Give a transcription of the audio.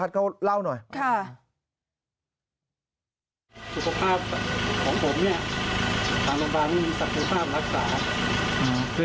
เขารู้สึก